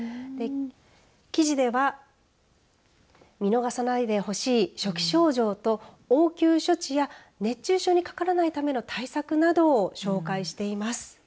記事では見逃さないでほしい初期症状と応急処置や熱中症にかからないための対策などを紹介しています。